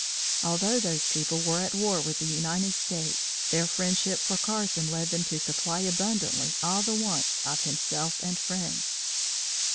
Although those people were at war with the United States, their friendship for Carson led them to supply abundantly all the wants of himself and friends.